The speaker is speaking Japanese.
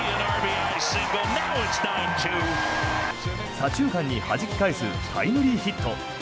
左中間にはじき返すタイムリーヒット。